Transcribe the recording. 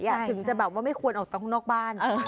ถึงจะแบบว่าไม่ควรออกตรงนอกบ้าน